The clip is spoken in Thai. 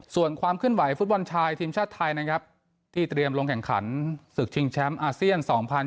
ส่วนความเคลื่อนไหวฟุตบอลชายทีมชาติไทยนะครับที่เตรียมลงแข่งขันศึกชิงแชมป์อาเซียน๒๐